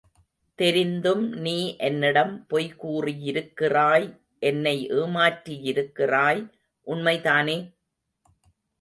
தெரிந்தும், நீ என்னிடம் பொய்கூறியிருக்கிறாய் என்னை ஏமாற்றியிருக்கிறாய் உண்மைதானே?